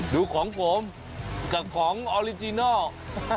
ดูของผมกับของออริจินัล